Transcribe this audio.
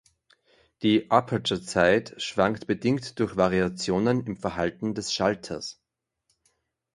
Die Aperture-Zeit schwankt bedingt durch Variationen im Verhalten des Schalters.